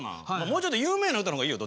もうちょっと有名な歌の方がいいよ